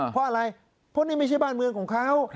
เพราะอะไรเพราะนี่ไม่ใช่บ้านเมืองของเขา